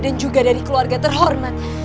dan juga dari keluarga terhormat